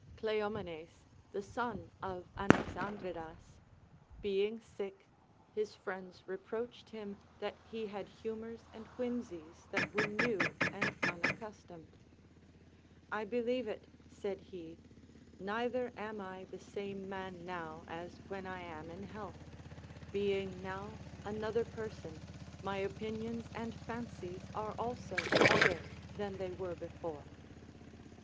Cleomenes, the son of Anexandridas, being sick, his friends reproached him that he had humours and whimsies that were new and unaccustomed; "I believe it," said he; "neither am I the same man now as when I am in health; being now another person, my opinions and fancies are also other than they were before."